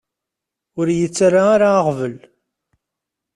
Ur iyi-ttara ara aɣbel.